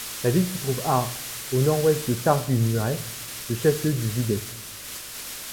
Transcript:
La ville se trouve à au nord-ouest de Târgu Mureș, le chef-lieu du județ.